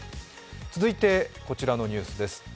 続いて、こちらのニュースです。